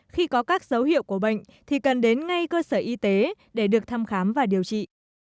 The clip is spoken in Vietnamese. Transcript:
khi có các dấu hiệu của bệnh thì cần đến ngay cơ sở y tế để được thăm khám và điều trị